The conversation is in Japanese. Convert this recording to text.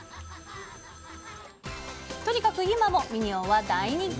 とにかく今も、ミニオンは大人気。